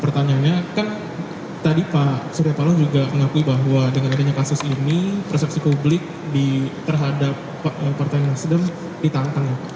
pertanyaannya kan tadi pak surya paloh juga mengakui bahwa dengan adanya kasus ini persepsi publik terhadap partai nasdem ditantang ya pak